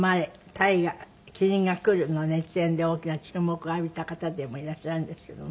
大河『麒麟がくる』の熱演で大きな注目を浴びた方でもいらっしゃるんですけども。